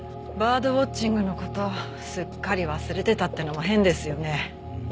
バードウォッチングの事すっかり忘れてたっていうのも変ですよね。